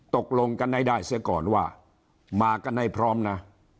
ตกลงกันให้ได้เสียก่อนว่ามากันให้พร้อมนะ